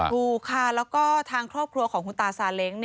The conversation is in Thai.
ถูกค่ะแล้วก็ทางครอบครัวของคุณตาซาเล้ง